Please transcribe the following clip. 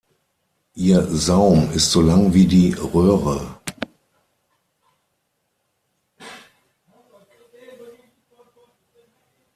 Ihr Saum ist so lang wie die Röhre.